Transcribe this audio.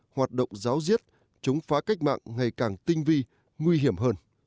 hoạt động giáo diết chống phá cách mạng ngày càng tinh vi nguy hiểm hơn